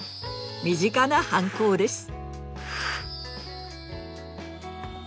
身近な反抗です。